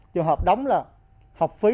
trường hợp đóng là học phí